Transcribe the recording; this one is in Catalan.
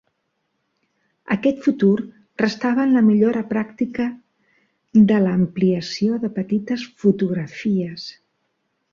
Aquest futur restava en la millora pràctica de l'ampliació de petites fotografies.